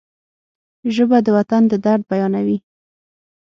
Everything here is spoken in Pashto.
ژبه د وطن د درد بیانوي